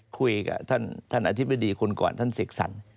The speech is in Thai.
คุยกับท่านอธิบดีคุณก่อนท่านเสกสรร